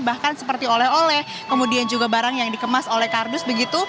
bahkan seperti oleh oleh kemudian juga barang yang dikemas oleh kardus begitu